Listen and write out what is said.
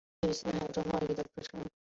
于每周四放学后进行课程。